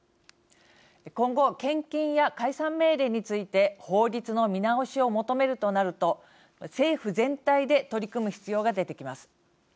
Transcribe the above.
今後、献金や解散命令について法律の見直しを求めるとなると政府全体で取り組む必要が出てきます。